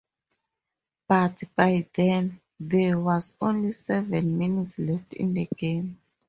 But by then, there was only seven minutes left in the game.